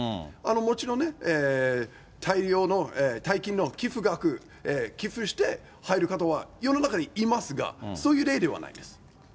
もちろんね、大量の、大金の寄付額、寄付して入る方は世の中にいますが、そういう例ではないです。